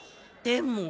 でも。